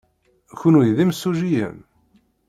Kenwi d imsujjiyen?